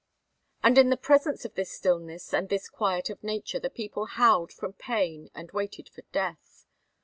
And in the presence of this stillness and this quiet of nature the people howled from pain and waited for death.